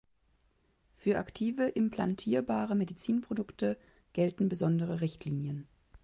Für aktive implantierbare Medizinprodukte gelten besondere Richtlinien.